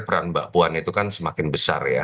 peran mbak puan itu kan semakin besar ya